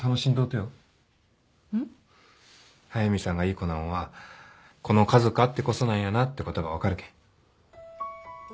速見さんがいい子なんはこの家族あってこそなんやなってことが分かるけん。